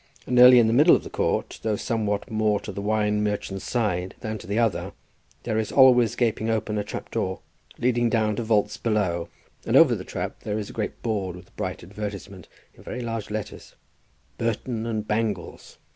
And nearly in the middle of the court, though somewhat more to the wine merchants' side than to the other, there is always gaping open a trap door, leading down to vaults below; and over the trap there is a great board with a bright advertisement in very large letters: BURTON AND BANGLES.